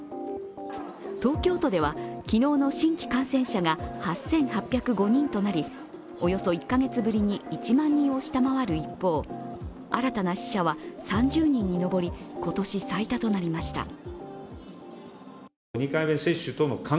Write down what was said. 東京都では昨日の新規感染者が８８０５人となりおよそ１カ月ぶりに、１万人を下回る一方新たな死者は３０人に上り今年最多となりました。